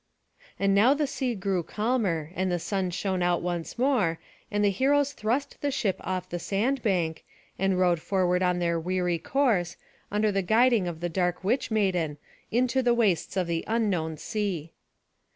And now the sea grew calmer, and the sun shone out once more, and the heroes thrust the ship off the sand bank, and rowed forward on their weary course, under the guiding of the dark witch maiden, into the wastes of the unknown sea.